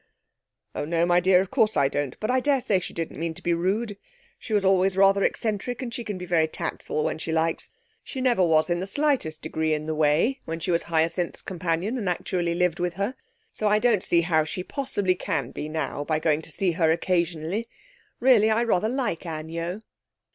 'Oh, no, my dear; of course I don't. But I daresay she didn't mean to be rude; she was always rather eccentric, and she can be very tactful when she likes. She never was in the slightest degree in the way when she was Hyacinth's companion and actually lived with her, so I don't see how she possibly can be now by going to see her occasionally. Really, I rather like Anne Yeo.'